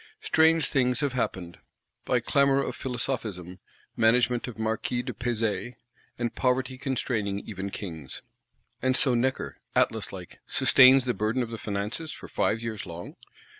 Strange things have happened: by clamour of Philosophism, management of Marquis de Pezay, and Poverty constraining even Kings. And so Necker, Atlas like, sustains the burden of the Finances, for five years long?